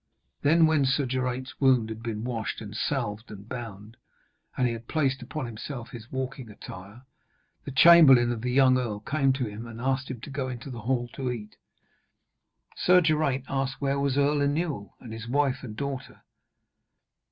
Then when Sir Geraint's wound had been washed and salved and bound, and he had placed upon himself his walking attire, the chamberlain of the young earl came to him and asked him to go into the hall to eat. Sir Geraint asked where was Earl Inewl and his wife and daughter.